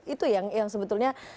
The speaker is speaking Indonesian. itu yang sebetulnya